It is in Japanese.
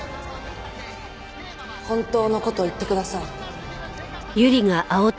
本当の事を言ってください。